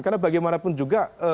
karena bagaimanapun juga